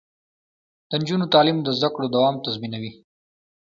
د نجونو تعلیم د زدکړو دوام تضمینوي.